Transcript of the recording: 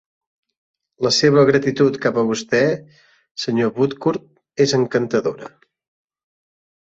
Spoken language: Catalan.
La seva gratitud cap a vostè, Sr. Woodcourt, és encantadora.